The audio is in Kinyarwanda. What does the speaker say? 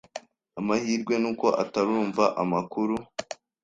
Amahirwe nuko atarumva amakuru.